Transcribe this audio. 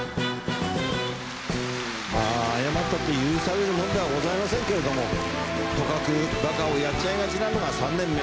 ああ謝ったって許されるもんではございませんけれどもとかくバカをやっちゃいがちなのが３年目。